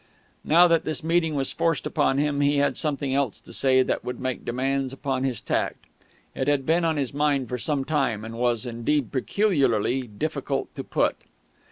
Now that this meeting was forced upon him, he had something else to say that would make demands upon his tact. It had been on his mind for some time, and was, indeed, peculiarly difficult to put.